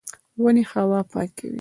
ونې هوا پاکوي